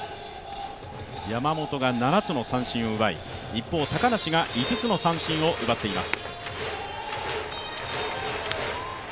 山本が７つの三振を奪い、一方、高梨が５つの三振を奪っています。